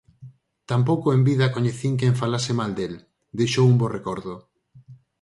Tampouco en vida coñecín quen falase mal del, deixou un bo recordo.